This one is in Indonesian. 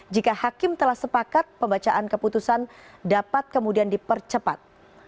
jika hakim telah sepakat pembacaan keputusan dapat kemudian dipercepat